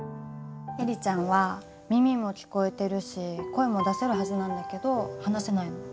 映里ちゃんは耳も聞こえてるし声も出せるはずなんだけど話せないの。